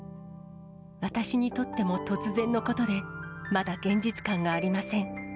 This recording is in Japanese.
私にとっても突然のことで、まだ現実感がありません。